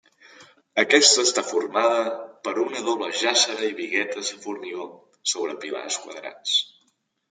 Aquesta està formada per una doble jàssera i biguetes de formigó, sobre pilars quadrats.